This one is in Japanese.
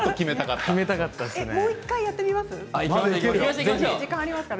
もう１回やってみますか。